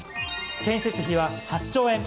建設費は８兆円